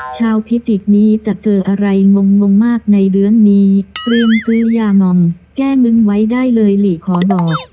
พิจิกษ์นี้จะเจออะไรงงมากในเรื่องนี้เตรียมซื้อยามองแก้มึงไว้ได้เลยหลีขอบอก